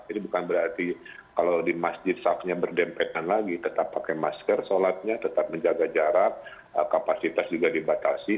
ini bukan berarti kalau di masjid safnya berdempetan lagi tetap pakai masker sholatnya tetap menjaga jarak kapasitas juga dibatasi